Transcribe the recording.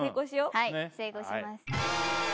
はい成功します